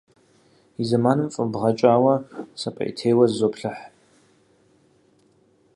И зэманым фӏэбгъэкӏауэ, сэ пӏеутейуэ зызоплъыхь.